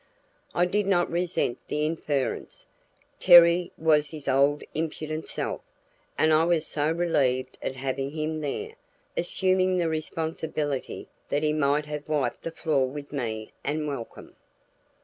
I did not resent the inference. Terry was his old impudent self, and I was so relieved at having him there, assuming the responsibility, that he might have wiped the floor with me and welcome.